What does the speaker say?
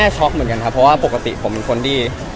ช็อคเหมือนกันเพราะว่าปกติผมมันคนที่